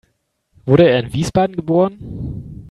Wurde er in Wiesbaden geboren?